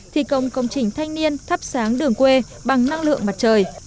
thi công công trình thanh niên thắp sáng đường quê bằng năng lượng mặt trời